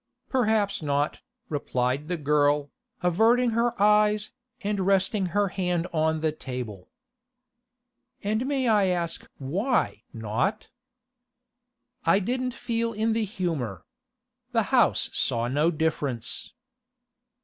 'Perhaps not,' replied the girl, averting her eyes, and resting her hand on the table. 'And may I ask why not?' 'I didn't feel in the humour. The house saw no difference.